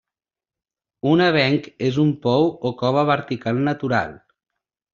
Un avenc és un pou o cova vertical natural.